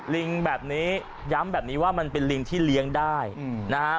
ลิงแบบนี้ย้ำแบบนี้ว่ามันเป็นลิงที่เลี้ยงได้นะฮะ